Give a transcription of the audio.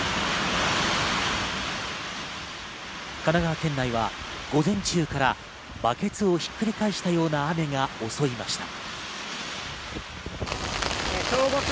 神奈川県内は午前中からバケツをひっくり返したような雨が襲いました。